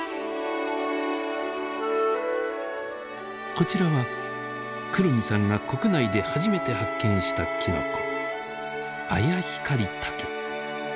こちらは黒木さんが国内で初めて発見したきのこ。